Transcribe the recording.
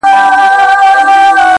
• دا د غازیانو شهیدانو وطن,